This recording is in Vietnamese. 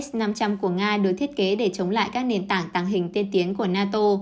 s năm trăm linh của nga được thiết kế để chống lại các nền tảng tàng hình tiên tiến của nato